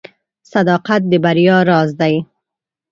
• صداقت د بریا راز دی.